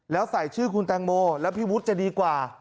แล้วใส่ชื่อคุณแตงโมแล้วพี่วุฒิจะดีกว่า